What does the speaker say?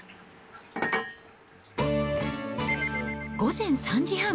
午前３時半。